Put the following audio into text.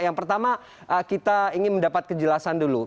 yang pertama kita ingin mendapat kejelasan dulu